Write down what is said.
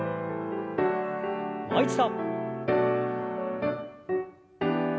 もう一度。